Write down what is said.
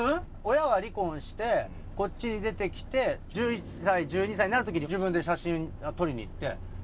親が離婚してこっちに出てきて１１歳１２歳になる時に自分で写真撮りに行って。